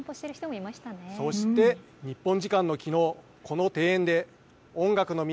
そして、日本時間のきのうこの庭園で音楽の都